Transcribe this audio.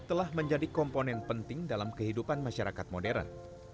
telah menjadi komponen penting dalam kehidupan masyarakat modern